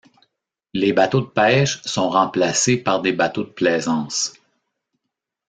Les bateaux de pêche sont remplacés par des bateaux de plaisance.